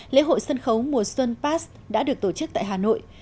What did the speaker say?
lễ hội sân khấu mùa xuân pass đã được tổ chức tại hà nội